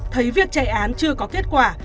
thấy việc chạy án chưa có kết quả